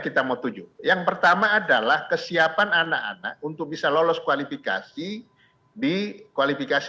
kita mau tuju yang pertama adalah kesiapan anak anak untuk bisa lolos kualifikasi di kualifikasi